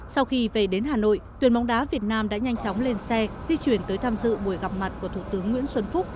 sau khi về đến hà nội tuyển bóng đá việt nam đã nhanh chóng lên xe di chuyển tới tham dự buổi gặp mặt của thủ tướng nguyễn xuân phúc